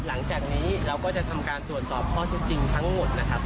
หลังจากนี้เราก็จะทำการตรวจสอบข้อที่จริงทั้งหมดนะครับ